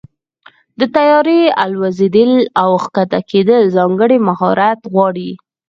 د طیارې الوزېدل او کښته کېدل ځانګړی مهارت غواړي.